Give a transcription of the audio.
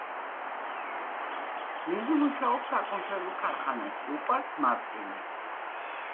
ლიზი მუშაობს საკონსერვო ქარხანაში, უყვარს მარტინი.